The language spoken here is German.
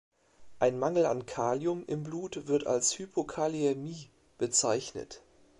Ein Mangel an Kalium im Blut wird als Hypokaliämie bezeichnet.